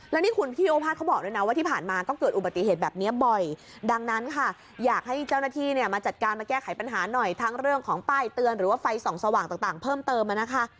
แล้วนี่คุณพี่โอภาษเขาบอกด้วยนะว่าที่ผ่านมาก็เกิดอุบัติเหตุแบบนี้บ่อยดังนั้นค่ะอยากให้เจ้าหน้าที่เนี่ยมาจัดการมาแก้ไขปัญหาหน่อยทั้งเรื่องของป้ายเตือนหรือว่าไฟส่องสว่างต่างเพิ่มเติมมานะคะ